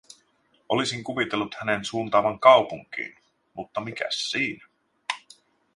Olisin kuvitellut hänen suuntaavan kaupunkiin, mutta mikäs siinnä.